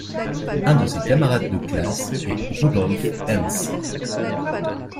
Un de ses camarades de classe est Rudolf Henz.